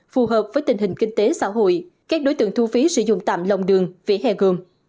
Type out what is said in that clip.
phù hợp với tình hình kinh tế xã hội các đối tượng thu phí sử dụng tạm lòng đường vỉa hè gồm